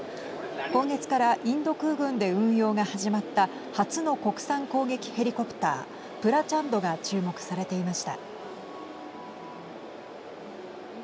今月からインド空軍で運用が始まった初の国産攻撃ヘリコプタープラチャンドが注目されていました。